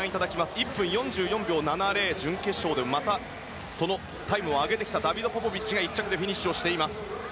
１分４４秒７０と準決勝でもそのタイムを上げてきたダビド・ポポビッチが１着でフィニッシュ。